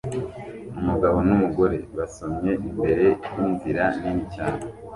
Umugabo numugore basomye imbere yinzira nini cyane